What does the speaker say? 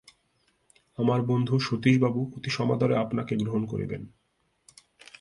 আমার বন্ধু সতীশবাবু অতি সমাদরে আপনাকে গ্রহণ করিবেন।